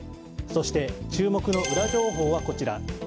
そして注目のウラ情報はこちら。